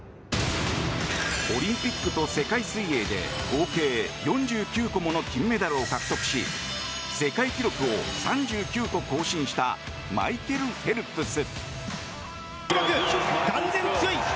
オリンピックと世界水泳で合計４９個もの金メダルを獲得し世界記録を３９個更新したマイケル・フェルプス。